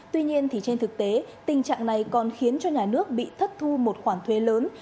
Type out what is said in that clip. tuy nhiên trên thực tế tình trạng này còn khiến cho nhà nước bị thất thu một khoản thuế lớn